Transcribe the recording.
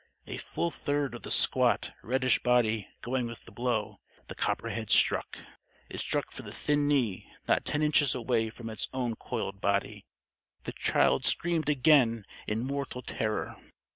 A full third of the squat reddish body going with the blow, the copperhead struck. It struck for the thin knee, not ten inches away from its own coiled body. The child screamed again in mortal terror.